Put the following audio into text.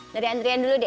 dari andrian dulu deh